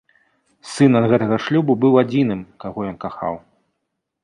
Сын ад гэтага шлюбу быў адзіным, каго ён кахаў.